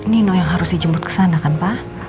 nino yang harus dijemput ke sana kan pak